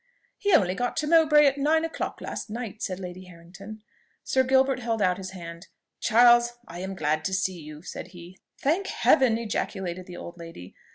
"He only got to Mowbray at nine o'clock last night," said Lady Harrington. Sir Gilbert held out his hand. "Charles, I am glad to see you," said he. "Thank Heaven!" ejaculated the old lady.